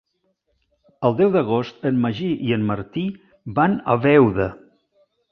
El deu d'agost en Magí i en Martí van a Beuda.